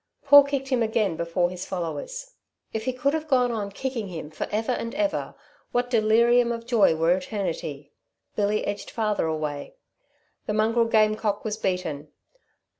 Paul kicked him again before his followers. If he could have gone on kicking him for ever and ever what delirium of joy were eternity! Billy edged farther away. The mongrel game cock was beaten.